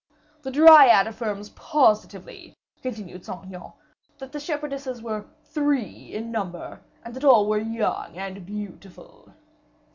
"The Dryad affirms positively," continued Saint Aignan, "that the shepherdesses were three in number, and that all three were young and beautiful."